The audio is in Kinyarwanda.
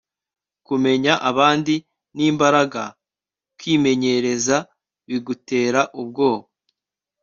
kumenya abandi ni imbaraga. kwimenyereza bigutera ubwoba